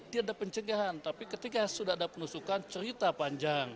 tidak ada pencegahan tapi ketika sudah ada penusukan cerita panjang